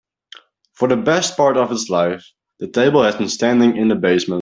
For the best part of its life, the table has been standing in the basement.